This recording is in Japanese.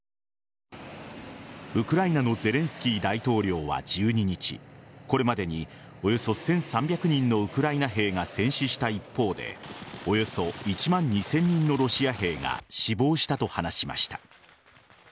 ウクライナのゼレンスキー大統領は１２日これまでにおよそ１３００人のウクライナ兵が戦死した一方でおよそ１万２０００人のロシア兵が死亡したと話しました。